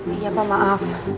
iya pak maaf